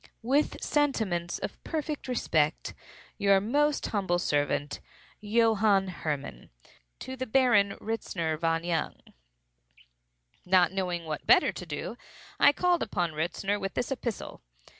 With sentiments of perfect respect, Your most humble servant, JOHANN HERMAN. "To the Baron Ritzner von Jung, August 18th, 18—." Not knowing what better to do, I called upon Ritzner with this epistle.